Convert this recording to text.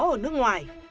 ở nước ngoài